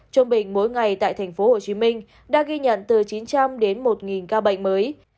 trung bình mỗi ngày tại tp hcm đã ghi nhận từ chín trăm linh đến một ca bệnh mới